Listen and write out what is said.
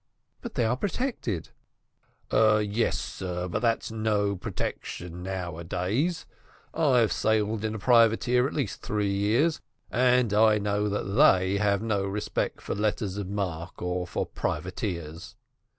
"But they are protected." "Yes, sir, but that's no protection nowadays. I have sailed in a privateer at least three years, and I know that they have no respect for letters of marque or for privateers."